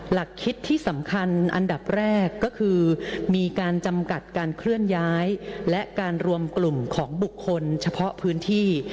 หลักคิดที่สำคัญอันดับแรกก็คือมีการจำกัดการเคลื่อนย้ายและการรวมกลุ่มของบุคคลเฉพาะพื้นที่